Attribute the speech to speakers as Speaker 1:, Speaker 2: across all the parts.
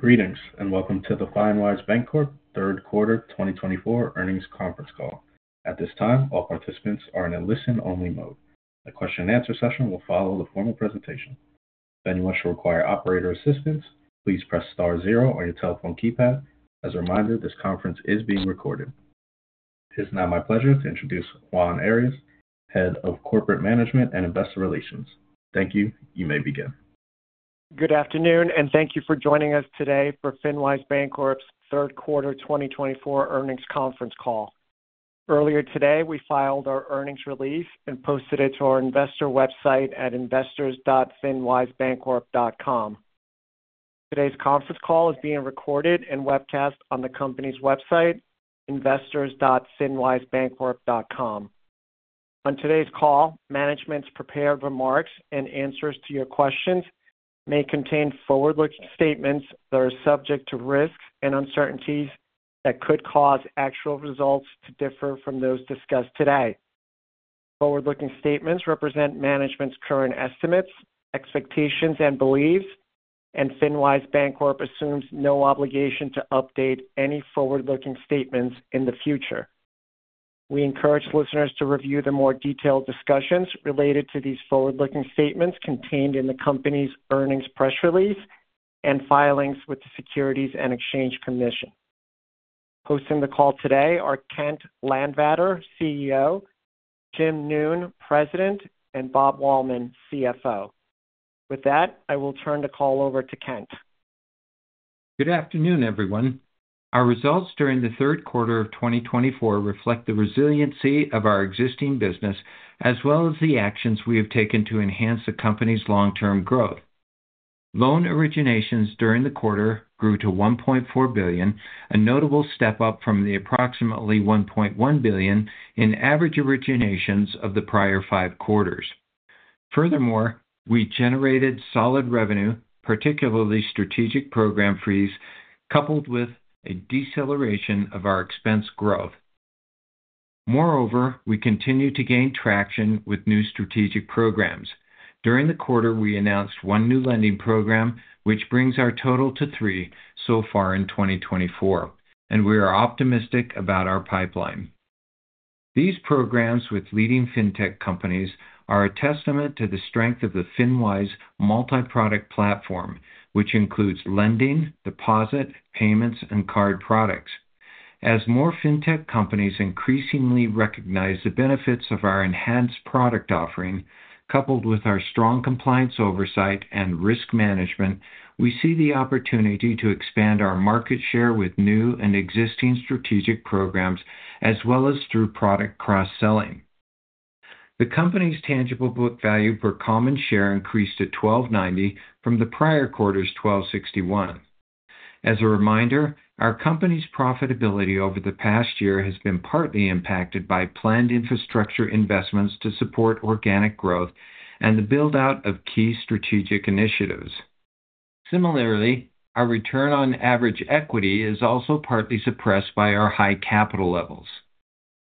Speaker 1: Greetings, and welcome to the FinWise Bancorp Third Quarter 2024 Earnings Conference Call. At this time, all participants are in a listen-only mode. A question-and-answer session will follow the formal presentation. If anyone should require operator assistance, please press star zero on your telephone keypad. As a reminder, this conference is being recorded. It is now my pleasure to introduce Juan Arias, Head of Corporate Management and Investor Relations. Thank you. You may begin.
Speaker 2: Good afternoon, and thank you for joining us today for FinWise Bancorp's Third Quarter 2024 Earnings Conference Call. Earlier today, we filed our earnings release and posted it to our investor website at investors.finwisebancorp.com. Today's conference call is being recorded and webcast on the company's website, investors.finwisebancorp.com. On today's call, management's prepared remarks and answers to your questions may contain forward-looking statements that are subject to risks and uncertainties that could cause actual results to differ from those discussed today. Forward-looking statements represent management's current estimates, expectations, and beliefs, and FinWise Bancorp assumes no obligation to update any forward-looking statements in the future. We encourage listeners to review the more detailed discussions related to these forward-looking statements contained in the company's earnings press release and filings with the Securities and Exchange Commission. Hosting the call today are Kent Landvatter, CEO; Jim Noone, President; and Bob Waldman, CFO. With that, I will turn the call over to Kent.
Speaker 3: Good afternoon, everyone. Our results during the third quarter of 2024 reflect the resiliency of our existing business, as well as the actions we have taken to enhance the company's long-term growth. Loan originations during the quarter grew to $1.4 billion, a notable step up from the approximately $1.1 billion in average originations of the prior five quarters. Furthermore, we generated solid revenue, particularly strategic program fees, coupled with a deceleration of our expense growth. Moreover, we continue to gain traction with new strategic programs. During the quarter, we announced one new lending program, which brings our total to three so far in 2024, and we are optimistic about our pipeline. These programs with leading fintech companies are a testament to the strength of the FinWise Multi-Product Platform, which includes lending, deposit, payments, and card products. As more fintech companies increasingly recognize the benefits of our enhanced product offering, coupled with our strong compliance oversight and risk management, we see the opportunity to expand our market share with new and existing strategic programs, as well as through product cross-selling. The company's tangible book value per common share increased to $12.90 from the prior quarter's $12.61. As a reminder, our company's profitability over the past year has been partly impacted by planned infrastructure investments to support organic growth and the build-out of key strategic initiatives. Similarly, our return on average equity is also partly suppressed by our high capital levels.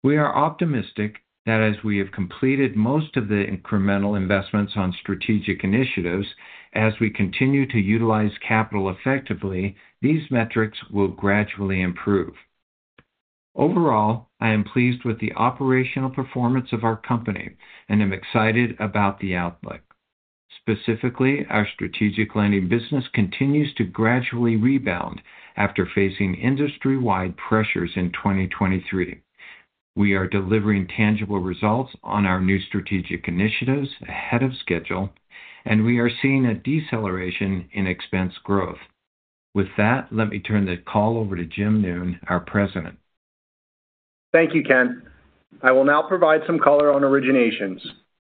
Speaker 3: We are optimistic that as we have completed most of the incremental investments on strategic initiatives, as we continue to utilize capital effectively, these metrics will gradually improve. Overall, I am pleased with the operational performance of our company and am excited about the outlook. Specifically, our strategic lending business continues to gradually rebound after facing industry-wide pressures in 2023. We are delivering tangible results on our new strategic initiatives ahead of schedule, and we are seeing a deceleration in expense growth. With that, let me turn the call over to Jim Noone, our President.
Speaker 4: Thank you, Kent. I will now provide some color on originations,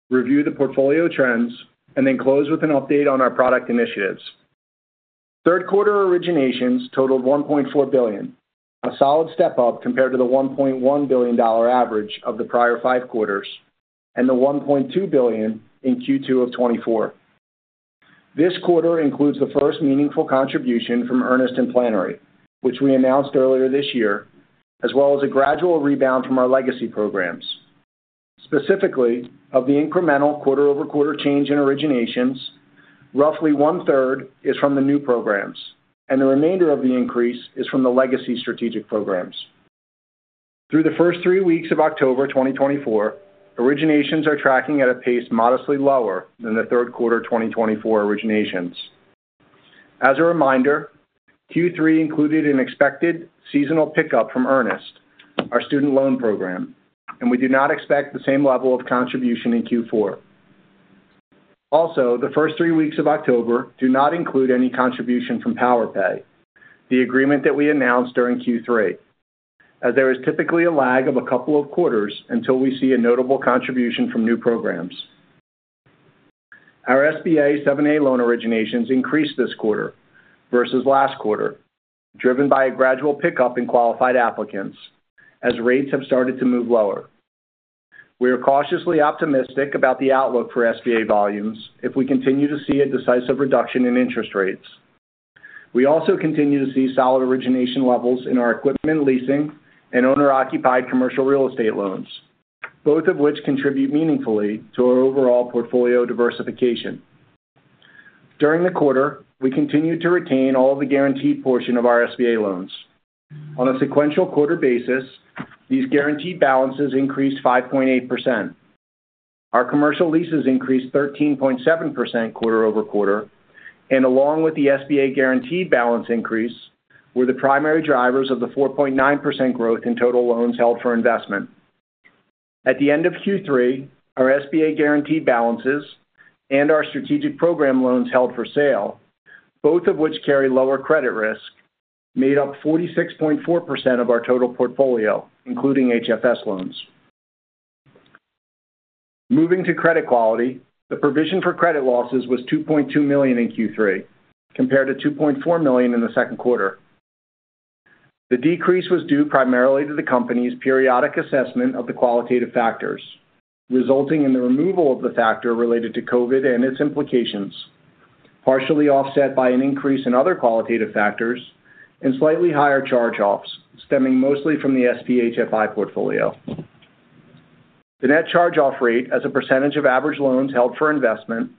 Speaker 4: review the portfolio trends, and then close with an update on our product initiatives. Third quarter originations totaled $1.4 billion, a solid step up compared to the $1.1 billion average of the prior five quarters and the $1.2 billion in Q2 of 2024. This quarter includes the first meaningful contribution from Earnest and Plannery, which we announced earlier this year, as well as a gradual rebound from our legacy programs. Specifically, of the incremental quarter-over-quarter change in originations, roughly one-third is from the new programs, and the remainder of the increase is from the legacy strategic programs. Through the first three weeks of October 2024, originations are tracking at a pace modestly lower than the third quarter 2024 originations. As a reminder, Q3 included an expected seasonal pickup from Earnest, our student loan program, and we do not expect the same level of contribution in Q4. Also, the first three weeks of October do not include any contribution from PowerPay, the agreement that we announced during Q3, as there is typically a lag of a couple of quarters until we see a notable contribution from new programs. Our SBA 7(a) loan originations increased this quarter versus last quarter, driven by a gradual pickup in qualified applicants as rates have started to move lower. We are cautiously optimistic about the outlook for SBA volumes if we continue to see a decisive reduction in interest rates. We also continue to see solid origination levels in our equipment leasing and owner-occupied commercial real estate loans, both of which contribute meaningfully to our overall portfolio diversification. During the quarter, we continued to retain all of the guaranteed portion of our SBA loans. On a sequential quarter basis, these guaranteed balances increased 5.8%. Our commercial leases increased 13.7% quarter over quarter, and along with the SBA guaranteed balance increase, were the primary drivers of the 4.9% growth in total loans held for investment. At the end of Q3, our SBA guaranteed balances and our strategic program loans held for sale, both of which carry lower credit risk, made up 46.4% of our total portfolio, including HFS loans. Moving to credit quality, the provision for credit losses was $2.2 million in Q3, compared to $2.4 million in the second quarter. The decrease was due primarily to the company's periodic assessment of the qualitative factors, resulting in the removal of the factor related to COVID and its implications, partially offset by an increase in other qualitative factors and slightly higher charge-offs, stemming mostly from the SBA HFI portfolio. The net charge-off rate, as a percentage of average loans held for investment,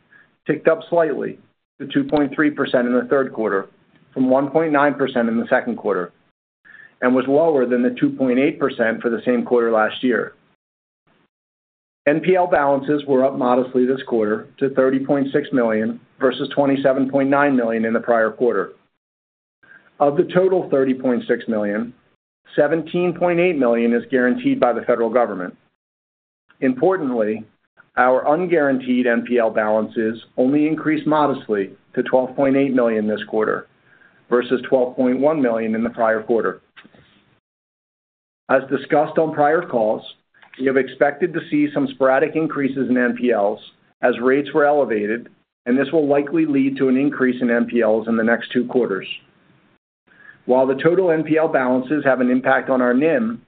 Speaker 4: ticked up slightly to 2.3% in the third quarter from 1.9% in the second quarter, and was lower than the 2.8% for the same quarter last year. NPL balances were up modestly this quarter to $30.6 million, versus $27.9 million in the prior quarter. Of the total $30.6 million, $17.8 million is guaranteed by the federal government. Importantly, our unguaranteed NPL balances only increased modestly to $12.8 million this quarter versus $12.1 million in the prior quarter. As discussed on prior calls, we have expected to see some sporadic increases in NPLs as rates were elevated, and this will likely lead to an increase in NPLs in the next two quarters. While the total NPL balances have an impact on our NIM,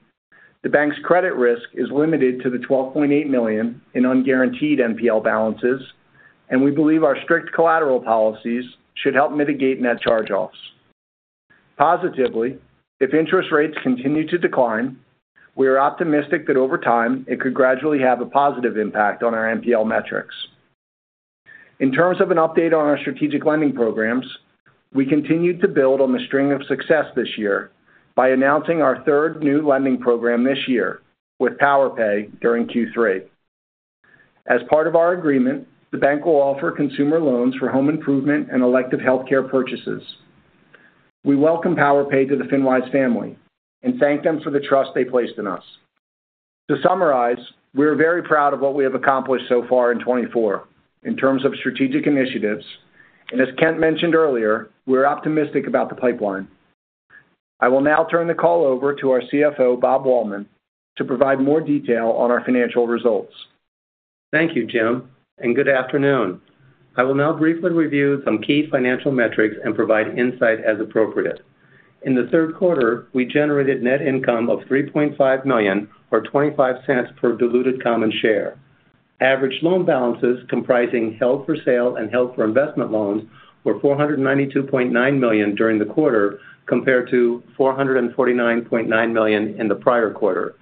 Speaker 4: the bank's credit risk is limited to the $12.8 million in unguaranteed NPL balances, and we believe our strict collateral policies should help mitigate net charge-offs. Positively, if interest rates continue to decline, we are optimistic that over time, it could gradually have a positive impact on our NPL metrics. In terms of an update on our strategic lending programs, we continued to build on the string of success this year by announcing our third new lending program this year with PowerPay during Q3. As part of our agreement, the bank will offer consumer loans for home improvement and elective healthcare purchases. We welcome PowerPay to the FinWise family and thank them for the trust they placed in us. To summarize, we are very proud of what we have accomplished so far in twenty-four in terms of strategic initiatives, and as Kent mentioned earlier, we're optimistic about the pipeline. I will now turn the call over to our CFO, Bob Waldman, to provide more detail on our financial results.
Speaker 5: Thank you, Jim and good afternoon. I will now briefly review some key financial metrics and provide insight as appropriate. In the third quarter, we generated net income of $3.5 million, or $0.25 per diluted common share. Average loan balances comprising held for sale and held for investment loans were $492.9 million during the quarter, compared to $449.9 million in the prior quarter.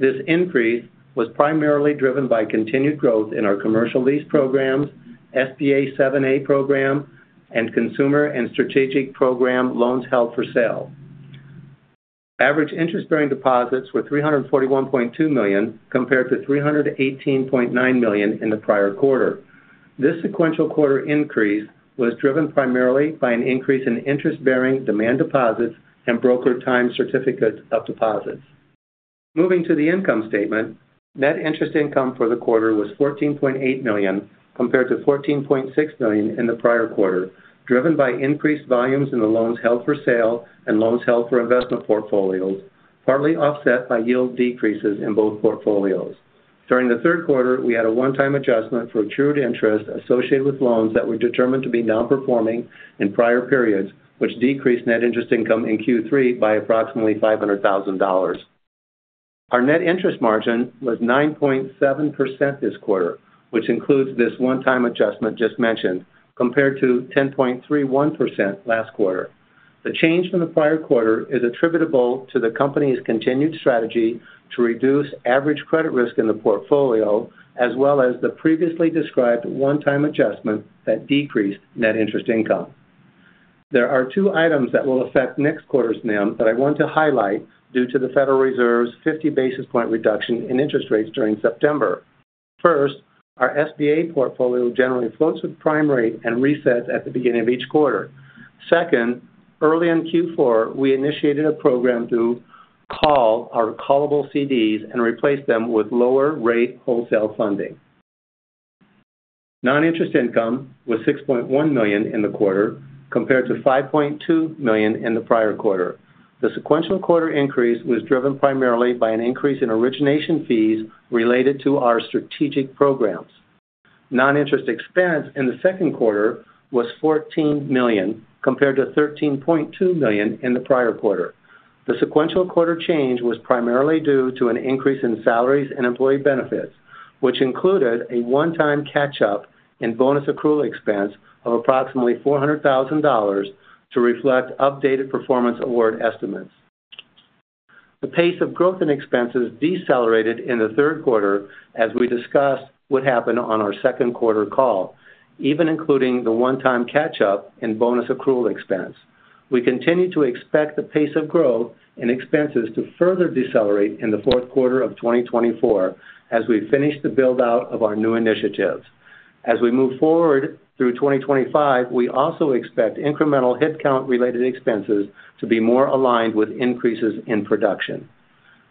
Speaker 5: This increase was primarily driven by continued growth in our commercial lease programs, SBA 7(a) program, and consumer and strategic program loans held for sale. Average interest-bearing deposits were $341.2 million, compared to $318.9 million in the prior quarter. This sequential quarter increase was driven primarily by an increase in interest-bearing demand deposits and brokered certificates of deposit. Moving to the income statement, net interest income for the quarter was $14.8 million, compared to $14.6 million in the prior quarter, driven by increased volumes in the loans held for sale and loans held for investment portfolios, partly offset by yield decreases in both portfolios. During the third quarter, we had a one-time adjustment for accrued interest associated with loans that were determined to be non-performing in prior periods, which decreased net interest income in Q3 by approximately $500,000. Our net interest margin was 9.7% this quarter, which includes this one-time adjustment just mentioned, compared to 10.31% last quarter. The change from the prior quarter is attributable to the company's continued strategy to reduce average credit risk in the portfolio, as well as the previously described one-time adjustment that decreased net interest income. There are two items that will affect next quarter's NIM that I want to highlight due to the Federal Reserve's fifty basis point reduction in interest rates during September. First, our SBA portfolio generally floats with prime rate and resets at the beginning of each quarter. Second, early in Q4, we initiated a program to call our callable CDs and replace them with lower-rate wholesale funding. Non-interest income was $6.1 million in the quarter, compared to $5.2 million in the prior quarter. The sequential quarter increase was driven primarily by an increase in origination fees related to our strategic programs. Non-interest expense in the second quarter was $14 million, compared to $13.2 million in the prior quarter. The sequential quarter change was primarily due to an increase in salaries and employee benefits. which included a one-time catch-up in bonus accrual expense of approximately $400,000 to reflect updated performance award estimates. The pace of growth and expenses decelerated in the third quarter, as we discussed what happened on our second quarter call, even including the one-time catch-up and bonus accrual expense. We continue to expect the pace of growth and expenses to further decelerate in the fourth quarter of 2024 as we finish the build-out of our new initiatives. As we move forward through 2025, we also expect incremental head count-related expenses to be more aligned with increases in production.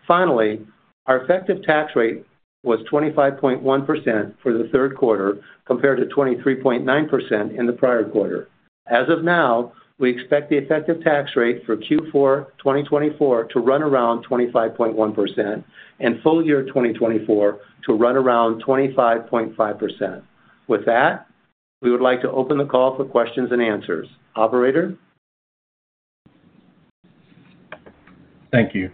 Speaker 5: Finally, our effective tax rate was 25.1% for the third quarter, compared to 23.9% in the prior quarter. As of now, we expect the effective tax rate for Q4 2024 to run around 25.1% and full year 2024 to run around 25.5%. With that, we would like to open the call for questions and answers. Operator?
Speaker 1: Thank you.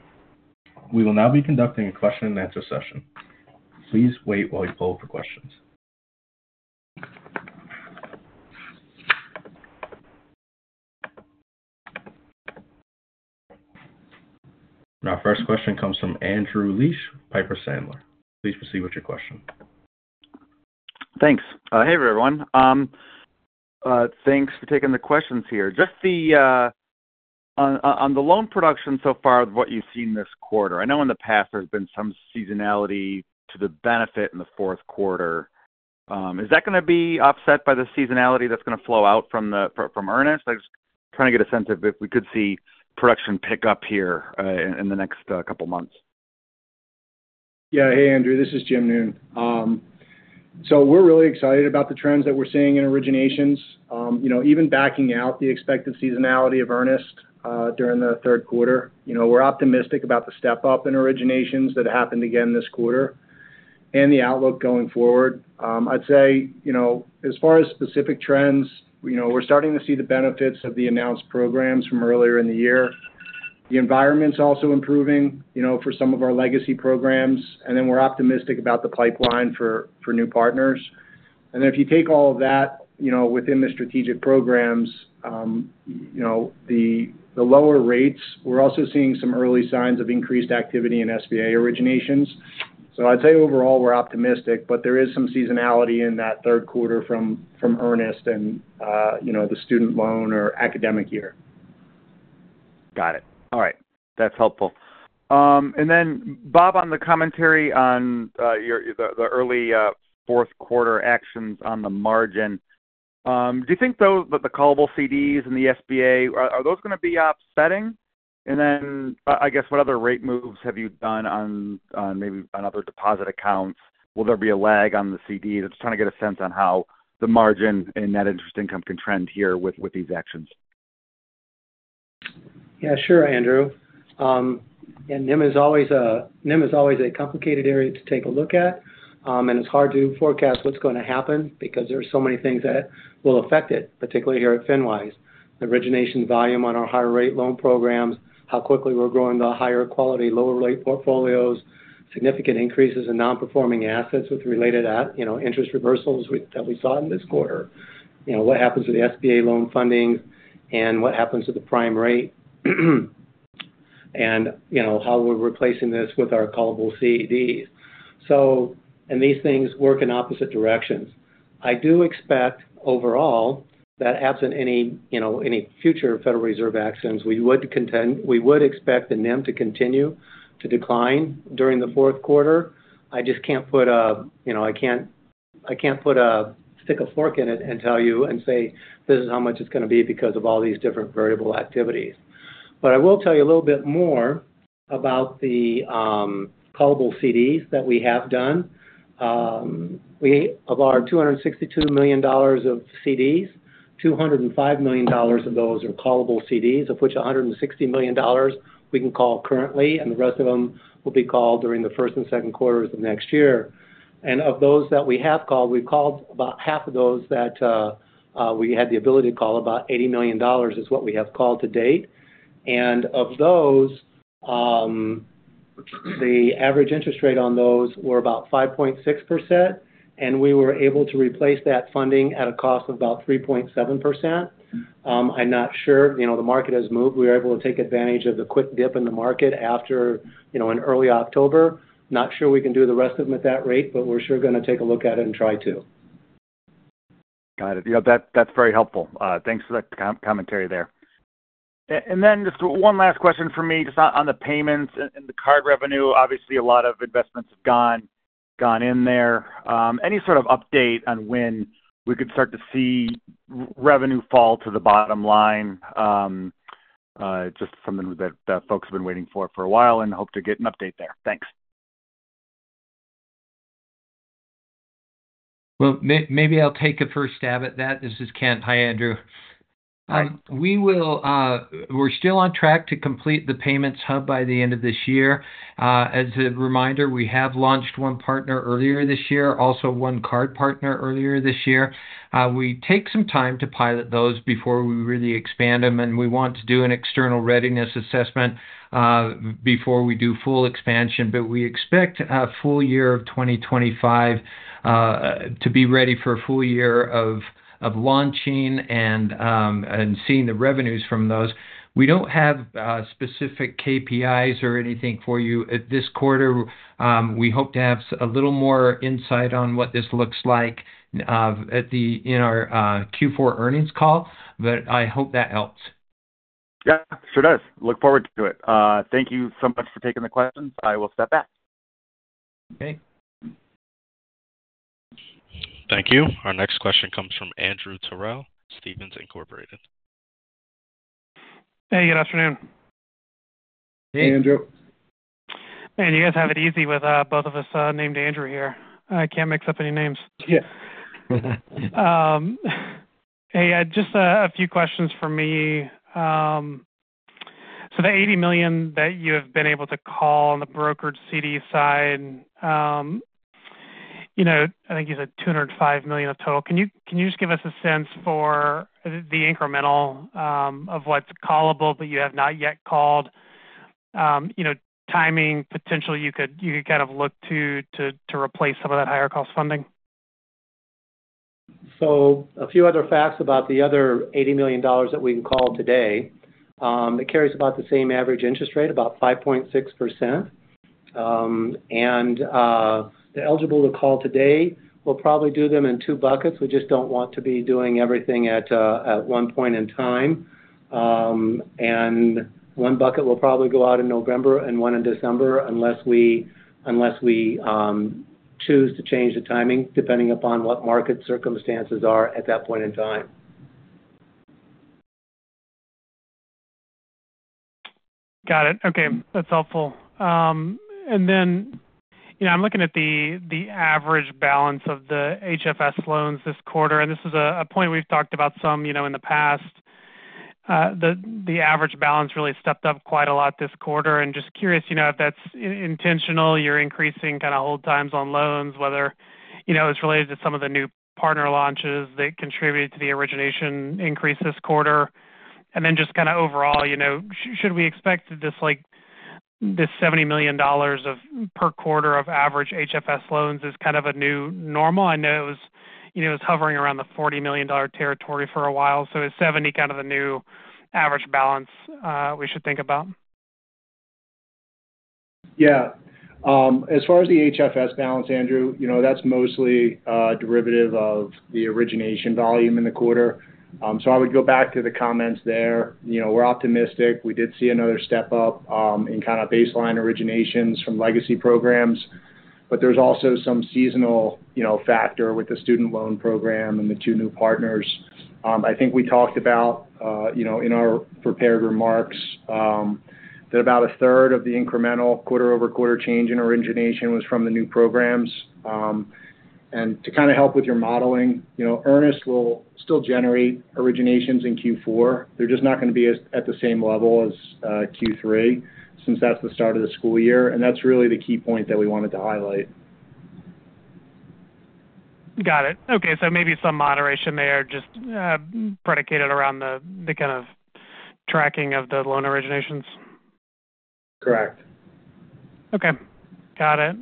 Speaker 1: We will now be conducting a question-and-answer session. Please wait while we poll for questions. Our first question comes from Andrew Liesch, Piper Sandler. Please proceed with your question.
Speaker 6: Thanks. Hey, everyone. Thanks for taking the questions here. Just on the loan production so far, what you've seen this quarter, I know in the past there's been some seasonality to the benefit in the fourth quarter. Is that gonna be offset by the seasonality that's gonna flow out from Earnest? I'm just trying to get a sense of if we could see production pick up here in the next couple of months.
Speaker 4: Yeah. Hey, Andrew, this is Jim Noone. So we're really excited about the trends that we're seeing in originations. You know, even backing out the expected seasonality of Earnest during the third quarter, you know, we're optimistic about the step up in originations that happened again this quarter and the outlook going forward. I'd say, you know, as far as specific trends, you know, we're starting to see the benefits of the announced programs from earlier in the year. The environment's also improving, you know, for some of our legacy programs, and then we're optimistic about the pipeline for new partners. If you take all of that, you know, within the strategic programs, you know, the lower rates, we're also seeing some early signs of increased activity in SBA originations. So I'd say overall, we're optimistic, but there is some seasonality in that third quarter from Earnest and, you know, the student loan or academic year.
Speaker 6: Got it. All right. That's helpful. And then, Bob, on the commentary on the early fourth quarter actions on the margin, do you think, though, that the callable CDs and the SBA are those gonna be offsetting? And then, I guess, what other rate moves have you done on maybe other deposit accounts? Will there be a lag on the CDs? I'm just trying to get a sense on how the margin and net interest income can trend here with these actions.
Speaker 5: Yeah, sure, Andrew. And NIM is always a complicated area to take a look at, and it's hard to forecast what's gonna happen because there are so many things that will affect it, particularly here at FinWise. The origination volume on our higher rate loan programs, how quickly we're growing the higher quality, lower rate portfolios, significant increases in non-performing assets with related at, you know, interest reversals that we saw in this quarter. You know, what happens to the SBA loan funding and what happens to the prime rate? And, you know, how we're replacing this with our callable CDs. And these things work in opposite directions. I do expect, overall, that absent any, you know, any future Federal Reserve actions, we would expect the NIM to continue to decline during the fourth quarter. I just can't, you know, stick a fork in it and tell you and say, "This is how much it's gonna be," because of all these different variable activities. But I will tell you a little bit more about the callable CDs that we have done. Of our $262 million of CDs, $205 million of those are callable CDs, of which $160 million we can call currently, and the rest of them will be called during the first and second quarters of next year. And of those that we have called, we've called about half of those that we had the ability to call. About $80 million is what we have called to date. And of those, the average interest rate on those was about 5.6%, and we were able to replace that funding at a cost of about 3.7%. I'm not sure, you know, the market has moved. We were able to take advantage of the quick dip in the market after, you know, in early October. Not sure we can do the rest of them at that rate, but we're sure gonna take a look at it and try to.
Speaker 6: Got it. Yeah, that, that's very helpful. Thanks for that commentary there. And then just one last question for me, just on the payments and the card revenue. Obviously, a lot of investments have gone in there. Any sort of update on when we could start to see revenue fall to the bottom line? Just something that folks have been waiting for a while and hope to get an update there. Thanks.
Speaker 3: I'll take a first stab at that. This is Kent. Hi, Andrew. We're still on track to complete the payments hub by the end of this year. As a reminder, we have launched one partner earlier this year, also one card partner earlier this year. We take some time to pilot those before we really expand them, and we want to do an external readiness assessment before we do full expansion. But we expect full year of twenty twenty-five to be ready for a full year of launching and seeing the revenues from those. We don't have specific KPIs or anything for you at this quarter. We hope to have a little more insight on what this looks like in our Q4 earnings call, but I hope that helps.
Speaker 6: Yeah, sure does. Look forward to it. Thank you so much for taking the questions. I will step back.
Speaker 3: Okay.
Speaker 1: Thank you. Our next question comes from Andrew Terrell, Stephens Inc.
Speaker 7: Hey, good afternoon.
Speaker 5: Hey.
Speaker 4: Hey, Andrew.
Speaker 7: Man, you guys have it easy with both of us named Andrew here. I can't mix up any names.
Speaker 5: Yeah.
Speaker 7: Hey, just a few questions for me. So the 80 million that you have been able to call on the brokered CD side, you know, I think you said 205 million of total. Can you just give us a sense for the incremental of what's callable but you have not yet called? You know, timing, potentially, you could kind of look to replace some of that higher-cost funding.
Speaker 5: A few other facts about the other $80 million that we can call today. It carries about the same average interest rate, about 5.6%. They're eligible to call today. We'll probably do them in two buckets. We just don't want to be doing everything at one point in time, and one bucket will probably go out in November and one in December, unless we choose to change the timing, depending upon what market circumstances are at that point in time.
Speaker 7: Got it. Okay, that's helpful. And then, you know, I'm looking at the average balance of the HFS loans this quarter, and this is a point we've talked about some, you know, in the past. The average balance really stepped up quite a lot this quarter. And just curious, you know, if that's intentional, you're increasing kind of hold times on loans, whether, you know, it's related to some of the new partner launches that contributed to the origination increase this quarter. And then just kind of overall, you know, should we expect this, like, this $70 million of per quarter of average HFS loans is kind of a new normal? I know it was, you know, it was hovering around the $40 million territory for a while, so is 70 kind of the new average balance we should think about?
Speaker 4: Yeah. As far as the HFS balance, Andrew, you know, that's mostly a derivative of the origination volume in the quarter. So I would go back to the comments there. You know, we're optimistic. We did see another step up, in kind of baseline originations from legacy programs. But there's also some seasonal, you know, factor with the student loan program and the two new partners. I think we talked about, you know, in our prepared remarks, that about a third of the incremental quarter over quarter change in origination was from the new programs. And to kind of help with your modeling, you know, Earnest will still generate originations in Q4. They're just not going to be at the same level as Q3, since that's the start of the school year, and that's really the key point that we wanted to highlight.
Speaker 7: Got it. Okay, so maybe some moderation there, just predicated around the kind of tracking of the loan originations.
Speaker 4: Correct.
Speaker 7: Okay, got it.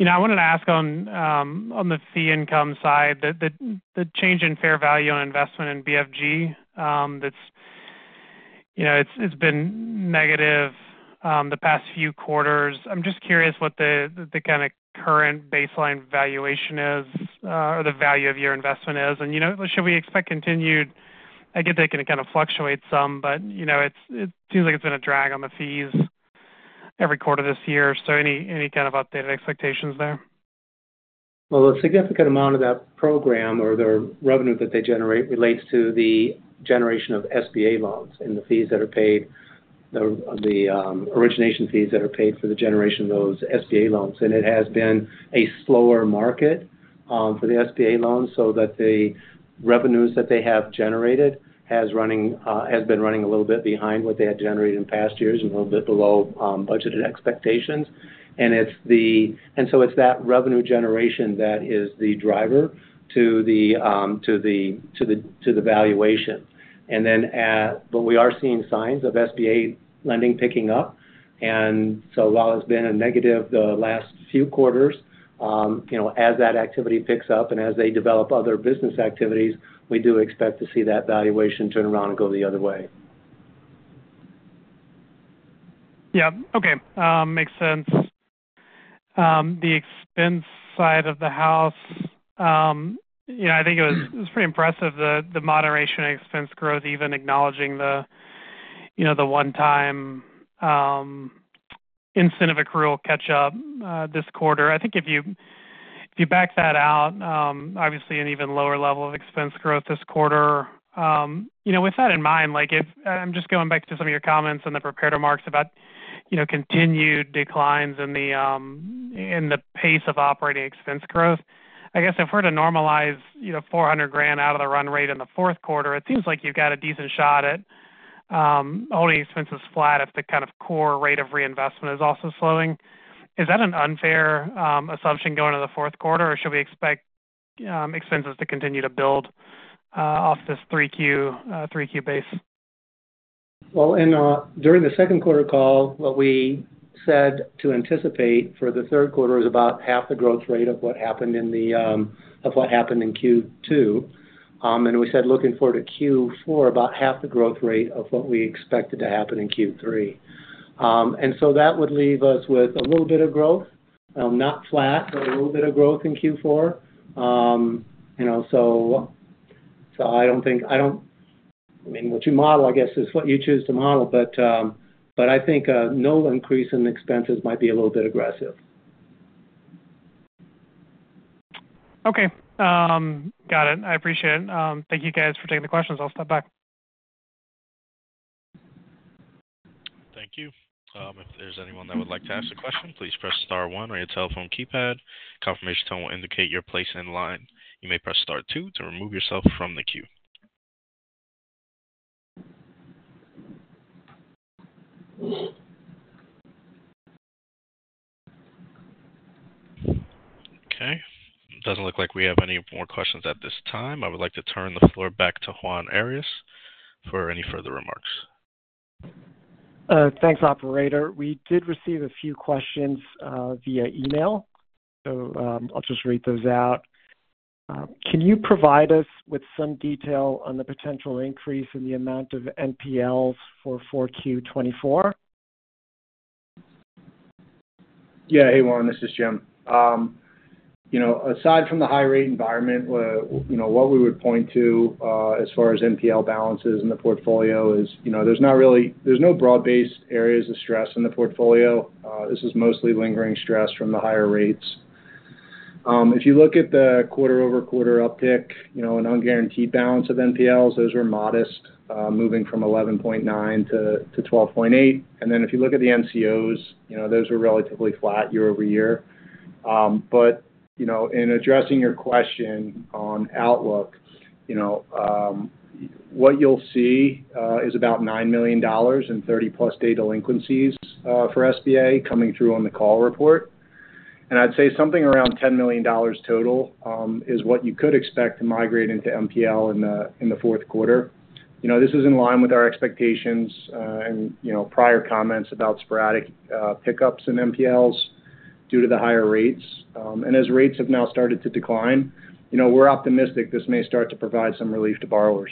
Speaker 7: You know, I wanted to ask on the fee income side, the change in fair value on investment in BFG, that's... You know, it's been negative the past few quarters. I'm just curious what the kind of current baseline valuation is, or the value of your investment is, and, you know, should we expect continued- I get that it can kind of fluctuate some, but, you know, it seems like it's been a drag on the fees every quarter this year. So any kind of updated expectations there?
Speaker 5: A significant amount of that program or the revenue that they generate relates to the generation of SBA loans and the fees that are paid, the origination fees that are paid for the generation of those SBA loans. And it has been a slower market for the SBA loans, so that the revenues that they have generated has been running a little bit behind what they had generated in past years and a little bit below budgeted expectations. And so it's that revenue generation that is the driver to the valuation. And then but we are seeing signs of SBA lending picking up. And so while it's been a negative the last few quarters, you know, as that activity picks up and as they develop other business activities, we do expect to see that valuation turn around and go the other way.
Speaker 7: Yeah. Okay, makes sense. The expense side of the house, you know, I think it was pretty impressive, the moderation and expense growth, even acknowledging the, you know, the one-time incentive accrual catch-up this quarter. I think if you, if you back that out, obviously an even lower level of expense growth this quarter. You know, with that in mind, like, if I'm just going back to some of your comments in the prepared remarks about, you know, continued declines in the pace of operating expense growth. I guess if we're to normalize, you know, $400,000 out of the run rate in the fourth quarter, it seems like you've got a decent shot at only expenses flat if the kind of core rate of reinvestment is also slowing. Is that an unfair assumption going to the fourth quarter, or should we expect expenses to continue to build off this 3Q base?
Speaker 5: Well, and, during the second quarter call, what we said to anticipate for the third quarter is about half the growth rate of what happened in the of what happened in Q2. And we said looking forward to Q4, about half the growth rate of what we expected to happen in Q3. And so that would leave us with a little bit of growth, not flat, but a little bit of growth in Q4. You know, so, so I don't think. I mean, what you model, I guess, is what you choose to model. But, but I think, no increase in expenses might be a little bit aggressive.
Speaker 7: Okay. Got it. I appreciate it. Thank you guys for taking the questions. I'll step back.
Speaker 1: Thank you. If there's anyone that would like to ask a question, please press star one on your telephone keypad. Confirmation tone will indicate your place in line. You may press star two to remove yourself from the queue. Okay. It doesn't look like we have any more questions at this time. I would like to turn the floor back to Juan Arias for any further remarks.
Speaker 2: Thanks, operator. We did receive a few questions via email, so I'll just read those out. Can you provide us with some detail on the potential increase in the amount of NPLs for 4Q 2024?
Speaker 4: Yeah. Hey, Juan, this is Jim. You know, aside from the high rate environment, you know, what we would point to as far as NPL balances in the portfolio is, you know, there's no broad-based areas of stress in the portfolio. This is mostly lingering stress from the higher rates. If you look at the quarter over quarter uptick, you know, an unguaranteed balance of NPLs, those are modest moving from 11.9 to 12.8. And then if you look at the NCOs, you know, those are relatively flat year over year. But, you know, in addressing your question on outlook, you know, what you'll see is about $9 million in 30-plus day delinquencies for SBA coming through on the call report. I'd say something around $10 million total is what you could expect to migrate into NPL in the fourth quarter. You know, this is in line with our expectations, and you know, prior comments about sporadic pickups in NPLs due to the higher rates. As rates have now started to decline, you know, we're optimistic this may start to provide some relief to borrowers.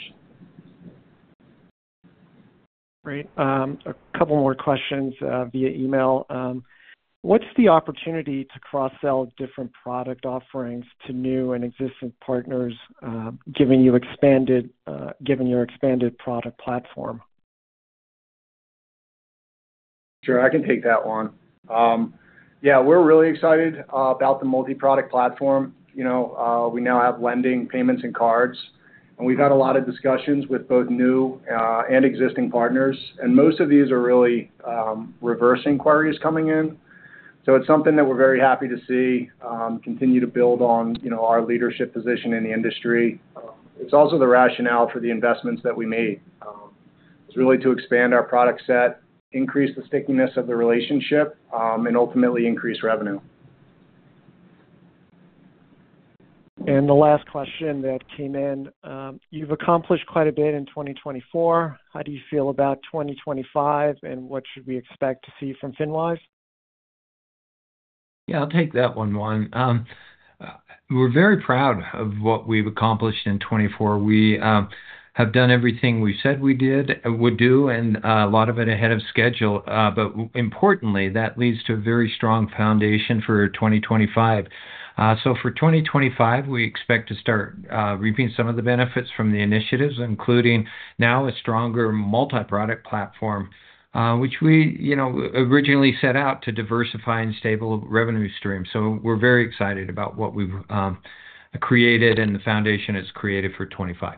Speaker 2: Great. A couple more questions via email. What's the opportunity to cross-sell different product offerings to new and existing partners, giving your expanded product platform?
Speaker 4: Sure, I can take that one. Yeah, we're really excited about the multi-product platform. You know, we now have lending payments and cards, and we've had a lot of discussions with both new and existing partners, and most of these are really reverse inquiries coming in, so it's something that we're very happy to see continue to build on, you know, our leadership position in the industry. It's also the rationale for the investments that we made. It's really to expand our product set, increase the stickiness of the relationship, and ultimately increase revenue.
Speaker 2: And the last question that came in: You've accomplished quite a bit in twenty twenty-four. How do you feel about twenty twenty-five, and what should we expect to see from FinWise?
Speaker 5: Yeah, I'll take that one, Juan. We're very proud of what we've accomplished in 2024. We have done everything we said we did, would do, and a lot of it ahead of schedule. But importantly, that leads to a very strong foundation for 2025. So for 2025, we expect to start reaping some of the benefits from the initiatives, including now a stronger multi-product platform, which we, you know, originally set out to diversify and stable revenue stream. So we're very excited about what we've created and the foundation has created for 2025.